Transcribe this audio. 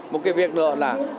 một cái việc nữa là